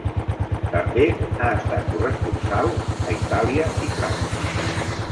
També ha estat corresponsal a Itàlia i França.